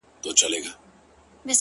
لـكــه دی لـــونــــــگ ـ